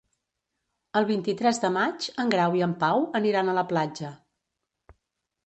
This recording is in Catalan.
El vint-i-tres de maig en Grau i en Pau aniran a la platja.